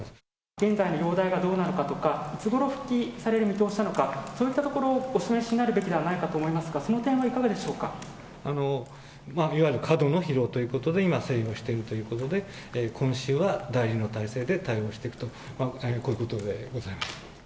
現在の容体がどうなのかとか、いつごろ復帰される予定なのかとか、そういった見通しをお示しになるべきではないかと思いますが、そいわゆる過度の疲労ということで、今、静養しているということで、今週は代理の体制で対応していくと、こういうことでございます。